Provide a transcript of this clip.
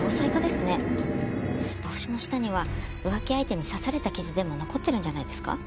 帽子の下には浮気相手に刺された傷でも残ってるんじゃないですか？